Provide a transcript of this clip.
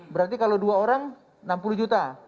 berarti kalau dua orang enam puluh juta